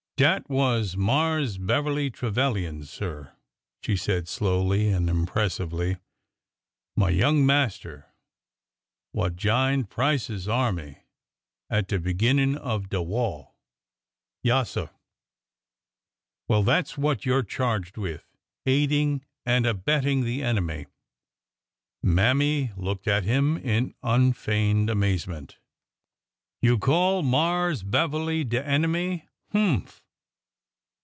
Dat was Marse Beverly Trevilian, sir," she said slowly and impressively ;" my young master w^ha' j 'ined Price's army at de beginnin' of de wah. Yaassir." Well, that 's what you are charged with— aiding and abetting the enemy." Mammy looked at him in unfeigned amazement. ''You call Marse Beverly de enemy? Humph!